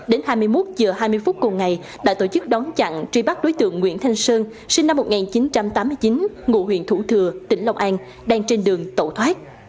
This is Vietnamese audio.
đến hai mươi một h hai mươi phút cùng ngày đã tổ chức đón chặn truy bắt đối tượng nguyễn thanh sơn sinh năm một nghìn chín trăm tám mươi chín ngụ huyện thủ thừa tỉnh long an đang trên đường tẩu thoát